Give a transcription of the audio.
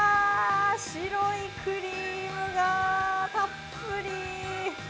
白いクリームがたっぷり！